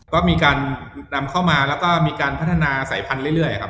ก็มีการนำเข้ามาแล้วก็มีการพัฒนาสายพันธุ์เรื่อยครับ